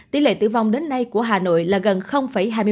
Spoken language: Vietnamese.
tỷ lệ tử vong đến nay của hà nội là gần hai mươi bảy